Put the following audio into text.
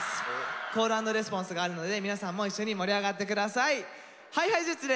コール＆レスポンスがあるので皆さんも一緒に盛り上がって下さい。ＨｉＨｉＪｅｔｓ